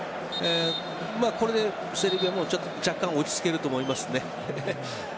これでセルビアも若干、落ち着けると思いますね。